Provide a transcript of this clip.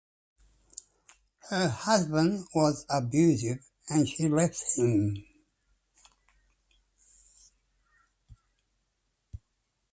Her husband was abusive and she left him.